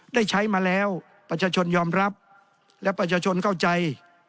ได้ใช้มาแล้วประชาชนยอมรับและประชาชนเข้าใจ